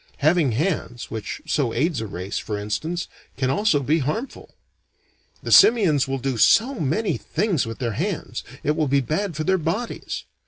Having hands, which so aids a race, for instance, can also be harmful. The simians will do so many things with their hands, it will be bad for their bodies.